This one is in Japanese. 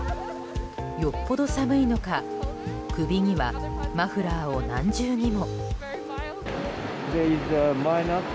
よっぽど寒いのか首にはマフラーを何重にも。